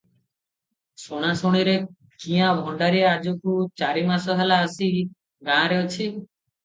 ଶୁଣାଶୁଣିରେ କିଣା ଭଣ୍ଡାରି ଆଜକୁ ଚାରିମାସ ହେଲା ଆସି ଗାଁଆରେ ଅଛି ।